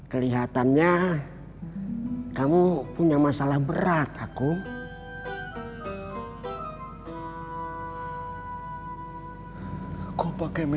kelihatannya kamu punya masalah berat aku pakai